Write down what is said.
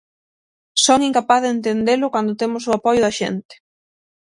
Son incapaz de entendelo cando temos o apoio da xente.